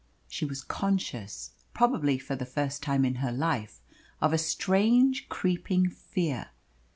She was conscious, probably for the first time in her life, of a strange, creeping fear.